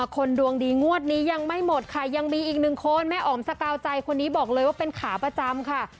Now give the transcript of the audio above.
คนดวงดีงวดนี้ยังไม่หมดค่ะยังมีอีกหนึ่งคนแม่อ๋อมสกาวใจคนนี้บอกเลยว่าเป็นขาประจำค่ะ